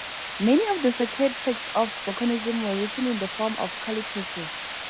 Many of the sacred texts of Bokononism were written in the form of calypsos.